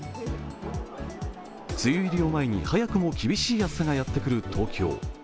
梅雨入りを前に、早くも厳しい暑さがやってくる東京。